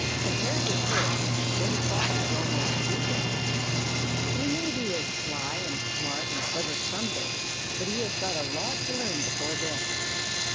Compared with her, Reddy Fox is almost stupid. He may be as sly and smart and clever some day, but he has got a lot to learn before then.